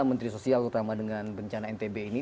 menteri sosial terutama dengan bencana ntb ini